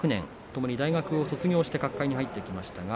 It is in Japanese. ともに大学を卒業して角界に入ってきました。